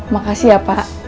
makasih ya pak